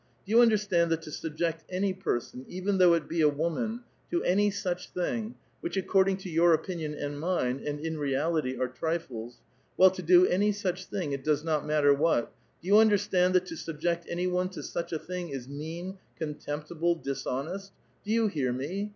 Do you understand that to subject any pei*son, even though it be a woman, to any such thing, which, according to your opinion and mine, and in reality are trifles, — well, to do any such thing, it does not matter what, — do you understand, that to subject any one to such a thing, is mean, contemptible, dishonest? Do you hear me?